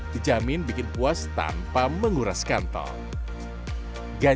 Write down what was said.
dijamin bikin puas tanpa menguras kantong